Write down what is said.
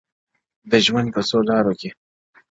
د ژوند په څو لارو كي،